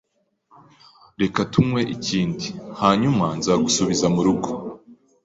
Reka tunywe ikindi, hanyuma nzagusubiza murugo.